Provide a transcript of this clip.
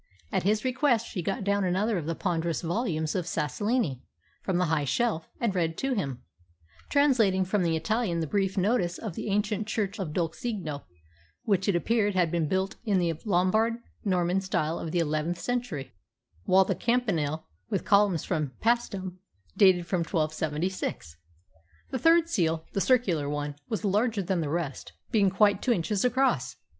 At his request she got down another of the ponderous volumes of Sassolini from the high shelf, and read to him, translating from the Italian the brief notice of the ancient church of Dulcigno, which, it appeared, had been built in the Lombard Norman style of the eleventh century, while the campanile, with columns from Paestum, dated from 1276. The third seal, the circular one, was larger than the rest, being quite two inches across.